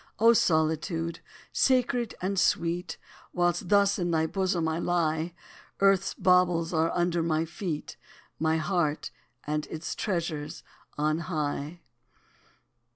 O solitude, sacred and sweet; Whilst thus in thy bosom I lie, Earth's baubles are under my feet My heart and its treasure, on high.